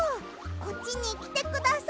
こっちにきてください。